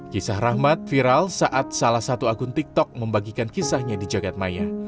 kisah rahmat viral saat salah satu akun tiktok membagikan kisahnya di jagadmaya